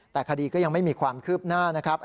แต่คดีก็ยังไม่มีความคืบหน้านะครับ